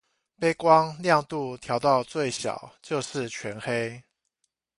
背光亮度調到最小就是全黑